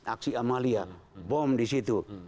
aksi amalia bom di situ